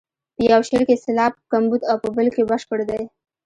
په یو شعر کې سېلاب کمبود او په بل کې بشپړ دی.